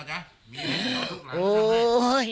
มีเวรของทุกคน